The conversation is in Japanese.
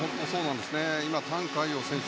今、タン・カイヨウ選手